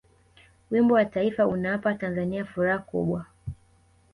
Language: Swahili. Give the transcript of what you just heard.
wimbo wa taifa unawapa watanzania furaha kubwa